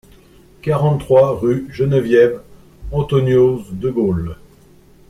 quarante-trois rue Geneviève Anthonioz-de Gaulle